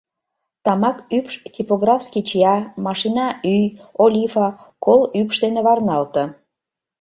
Тамак ӱпш типографский чия, машина ӱй, олифа, кол ӱпш дене варналте.